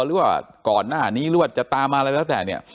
หรือว่าก่อนหน้านี้หรือว่าจะตามมาอะไรก็แล้วแต่เนี่ย